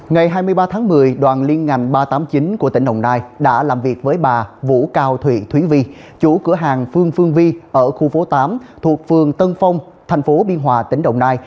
ngày hai mươi ba tháng một mươi đoàn liên ngành ba trăm tám mươi chín của tỉnh đồng nai đã làm việc với bà vũ cao thụy thúy vi chủ cửa hàng phương phương vi ở khu phố tám thuộc phường tân phong tp biên hòa tỉnh đồng nai